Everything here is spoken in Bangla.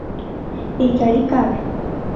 এই গাড়ি কার?